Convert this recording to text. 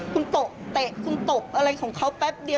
คุณตบเตะคุณตบอะไรของเขาแป๊บเดียว